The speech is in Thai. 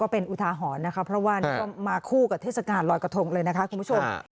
เพราะว่ามาคู่กับเทศกาลรอยกะทงเลยนะคะคุณผู้ชม